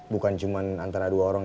bukan cuma antara dua orang